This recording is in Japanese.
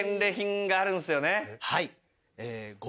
はい。